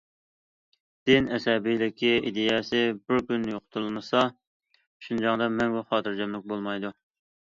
‹‹ دىن ئەسەبىيلىكى ئىدىيەسى بىر كۈن يوقىتىلمىسا، شىنجاڭدا مەڭگۈ خاتىرجەملىك بولمايدۇ››.